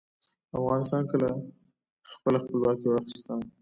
افغانستان کله خپله خپلواکي واخیسته؟